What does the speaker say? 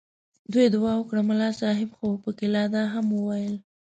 دوی دعا وکړه ملا صاحب خو پکې لا دا هم وویل.